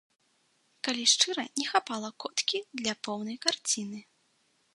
Калі шчыра, не хапала коткі для поўнай карціны.